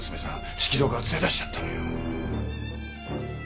式場から連れ出しちゃったのよ。